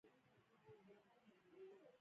د یوه زرګر دوکان ته ورغی.